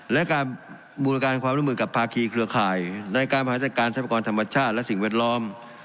และการบูลการณ์ความลื่มืดพากีเคลือข่ายในการผลักรัฐการทรัพยากรธรรมชาติและสิ่งเวลาแหลม